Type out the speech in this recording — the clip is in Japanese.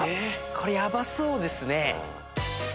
これヤバそうですね。